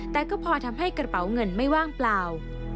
แต่ก็พอทำให้กระเป๋าเงินไม่ว่างเปล่า